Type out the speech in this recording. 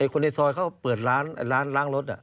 คนในซอยเขาเปิดร้านล้างรถ